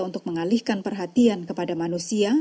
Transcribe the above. untuk mengalihkan perhatian kepada manusia